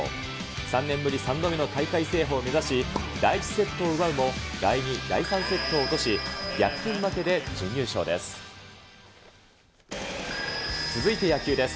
３年ぶり３度目の大会制覇を目指し、第１セットを奪うも、第２、第３セットを落とし、逆転負けで準優勝です。